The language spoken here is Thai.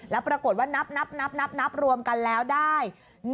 แล้วปรากฏว่านับรวมกันแล้วได้